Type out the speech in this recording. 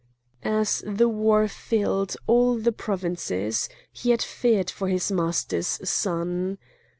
As the war filled all the provinces he had feared for his master's son.